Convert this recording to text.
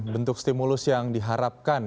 bentuk stimulus yang diharapkan